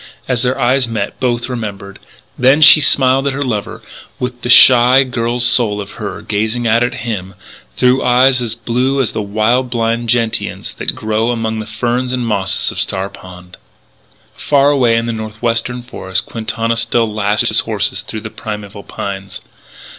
As their eyes met both remembered. Then she smiled at her lover with the shy girl's soul of her gazing out at him through eyes as blue as the wild blind gentians that grow among the ferns and mosses of Star Pond. Far away in the northwestern forests Quintana still lashed his horses through the primeval pines.